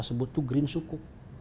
sebut tuh green suku